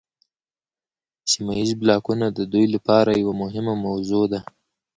سیمه ایز بلاکونه د دوی لپاره یوه مهمه موضوع ده